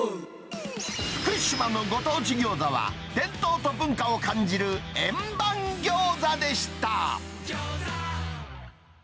福島のご当地餃子は、伝統と文化を感じる円盤餃子でした。